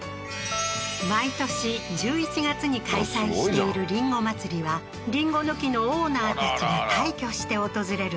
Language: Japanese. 毎年１１月に開催しているりんご祭りはりんごの木のオーナーたちが大挙して訪れる